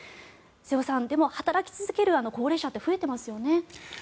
瀬尾さんでも働き続ける高齢者って増えていますよね。